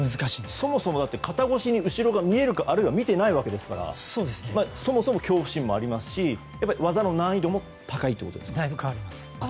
そもそも肩越しに後ろが見えるかあるいは見ていないわけですからそもそも恐怖心もありますし技の難易度もだいぶ変わります。